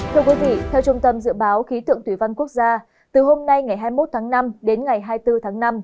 thưa quý vị theo trung tâm dự báo khí tượng thủy văn quốc gia từ hôm nay ngày hai mươi một tháng năm đến ngày hai mươi bốn tháng năm